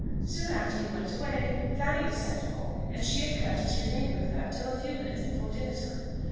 Soon after he went away, Fanny was sent for; and she and Curtis remained with her till a few minutes before dinner time.